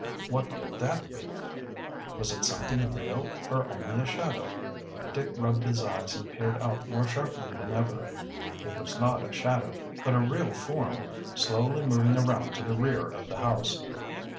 What could that be? Was it something real or only a shadow? Dick rubbed his eyes and peered out more sharply than ever. It was not a shadow, but a real form, slowly moving around to the rear of the house.